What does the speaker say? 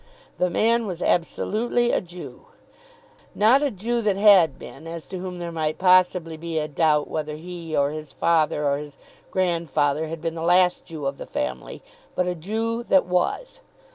The man was absolutely a Jew; not a Jew that had been, as to whom there might possibly be a doubt whether he or his father or his grandfather had been the last Jew of the family; but a Jew that was.